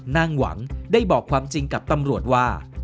นางหวังได้บอกความจริงกับตำรวจว่า